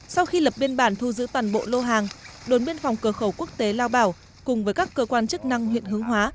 sau khi lập biên bản thu giữ toàn bộ lô hàng đồn biên phòng cửa khẩu quốc tế lao bảo cùng với các cơ quan chức năng huyện hướng hóa